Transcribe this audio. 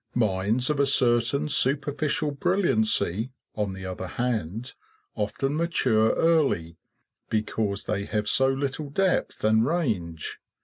Minds of a certain superficial brilliancy, on the other hand, often mature early because they have so little depth and range.